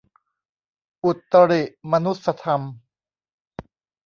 อุตริมนุสธรรม